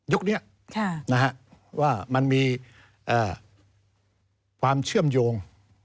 ยุคนี้นะครับว่ามันมีความเชื่อมโยง